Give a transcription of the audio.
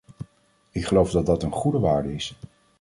Ik geloof dat dat een goede waarde is.